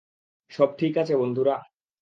সব ঠিক আছে, বন্ধুরা?